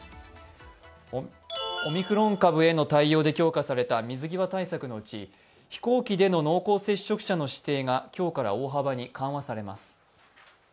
オミクロン株への対応で強化された水際対策のうち飛行機での濃厚接触者の指定が今日から大幅に緩和されます。